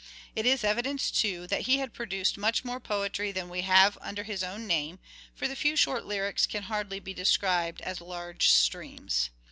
It is evidence, too, that he had produced much more poetry than we have under his own name, for the few short lyrics can hardly be described as " large streams."